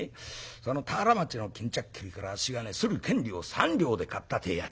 その田原町の巾着切りからあっしがねする権利を３両で買ったというやつだ」。